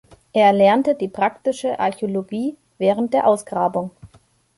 Er erlernte die praktische Archäologie während der Ausgrabung.